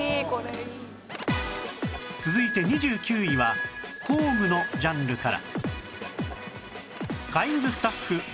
続いて２９位は工具のジャンルから